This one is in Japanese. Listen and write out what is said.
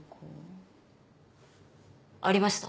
ありました。